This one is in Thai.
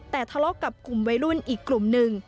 แต่ทะเลาะกับกลุ่มวัยรุ่นอีกกลุ่มหนึ่ง